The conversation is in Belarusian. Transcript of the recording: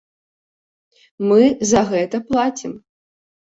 Мы за гэта плацім.